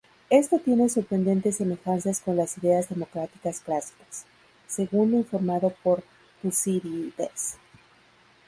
Esto tiene sorprendentes semejanzas con las ideas democráticas clásicas, según lo informado por Tucídides.